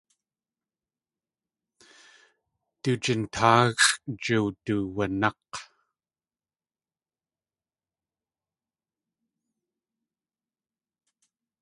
Du jintáaxʼ jiwduwanák̲.